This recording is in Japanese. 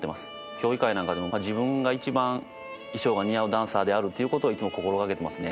競技会なんかでも自分が一番衣装が似合うダンサーであるということをいつも心がけてますね。